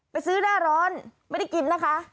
ซื้อหน้าร้อนไม่ได้กินนะคะ